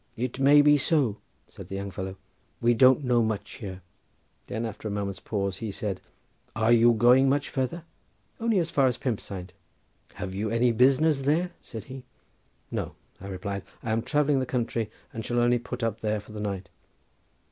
"It may be," said the young fellow, "we don't know much here." Then after a moment's pause he said: "Are you going much farther?" "Only as far as the 'Pump Saint.'" "Have you any business there?" said he. "No," I replied, "I am travelling the country, and shall only put up there for the night."